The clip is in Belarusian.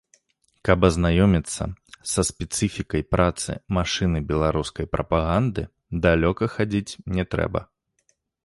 Каб азнаёміцца са спецыфікай працы машыны беларускай прапаганды, далёка хадзіць не трэба.